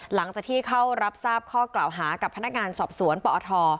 หลังจากที่เข้ารับทราบข้อกล่าวหากับพนักงานสอบสวนปอท